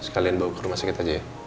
sekalian bawa ke rumah sakit aja ya